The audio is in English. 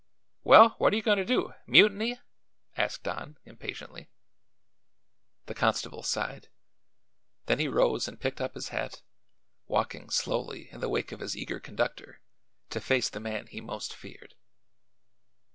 "Well, what are you going to do? Mutiny?" asked Don impatiently. The constable sighed. Then he rose and picked up his hat, walking slowly in the wake of his eager conductor to face the man he most feared.